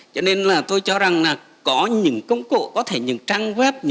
cho nên là tôi cho rằng là có những công cụ có thể những trang web